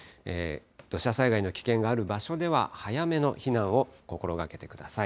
土砂災害の危険がある場所では、早めの避難を心がけてください。